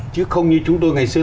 chứ không như chúng tôi ngày xưa